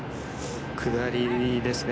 下りですね